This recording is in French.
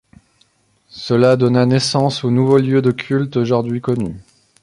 Cela donna naissance au nouveau lieu de culte aujourd’hui connu.